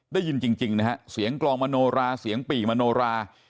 ได้ยินจริงนะฮะเสียงกลองมโนราเสียงปี่มโนรา